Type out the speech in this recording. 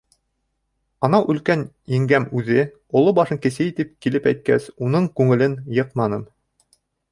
Анау өлкән еңгәм үҙе, оло башын кесе итеп, килеп әйткәс, уның күңелен йыҡманым.